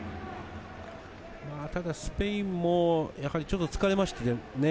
ただスペインも、ちょっと疲れましたね。